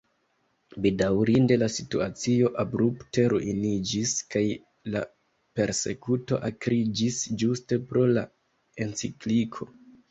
Bedaŭrinde la situacio abrupte ruiniĝis kaj la persekuto akriĝis ĝuste pro la encikliko.